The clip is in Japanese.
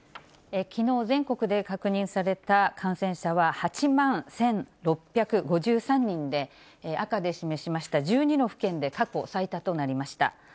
きのう全国で確認された感染者は８万１６５３人で、赤で示しました１２の府県で過去最多となりました。